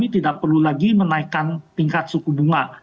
tidak perlu lagi menaikkan tingkat suku bunga